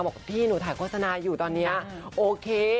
บอกพี่หนูถ่ายโฆษณาอยู่ตอนนี้โอเค